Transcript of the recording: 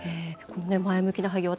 この前向きな廃業